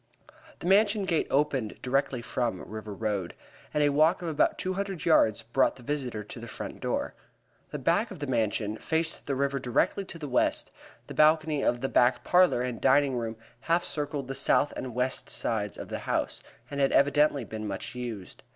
The Mansion gate opened directly from River Road, and a walk of about two hundred yards brought the visitor to the front door. The back of the Mansion faced the river directly to the west, the balcony of the back parlor and dining room half circled the south and west sides of the house, and had evidently been much used.